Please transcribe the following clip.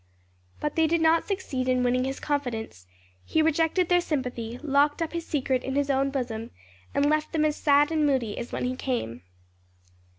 But they did not succeed in winning his confidence; he rejected their sympathy, locked up his secret in his own bosom, and left them as sad and moody as when he came.